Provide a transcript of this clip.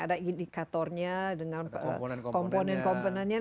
ada indikatornya dengan komponen komponennya